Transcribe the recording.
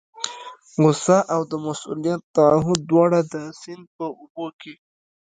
غوسه او د مسؤلیت تعهد دواړه د سیند په اوبو کې.